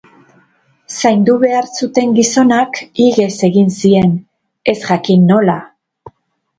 Zaindu behar zuten gizonak ihes egin zien, ez jakin nola.